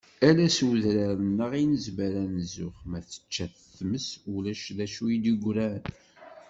Ala s udrar-nneɣ i nezmer ad nzux, ma tečča-t tmes ulac dacu i d-yegran